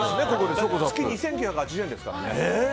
月２９８０円ですから。